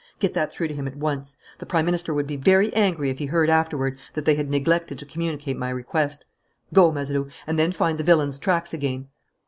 Get that through to him at once. The Prime Minister would be very angry if he heard afterward that they had neglected to communicate my request. Go, Mazeroux, and then find the villain's tracks again."